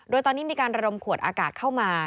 โดยตอนนี้มีการระดมขวดอากาศเข้ามา